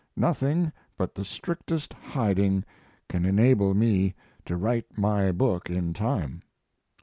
Nothing but the strictest hiding can enable me to write my book in time.